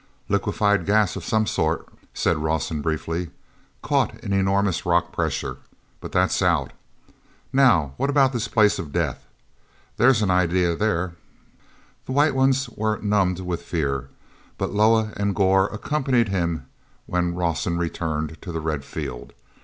"Liquefied gas of some sort," said Rawson briefly, "caught in enormous rock pressure. But that's out! Now what about this Place of Death? There's an idea there." The White Ones were numbed with fear, but Loah and Gor accompanied him when Rawson returned to the red field.